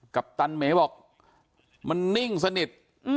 ปตันเมบอกมันนิ่งสนิท